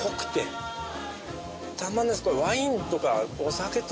たまんないです。